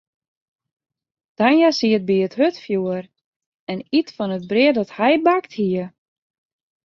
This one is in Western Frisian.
Tania siet by it hurdfjoer en iet fan it brea dat hja bakt hie.